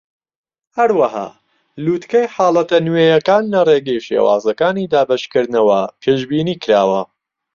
هەروەها، لووتکەی حاڵەتە نوێیەکان لە ڕێگەی شێوازەکانی دابەشکردنەوە پێشبینیکراوە.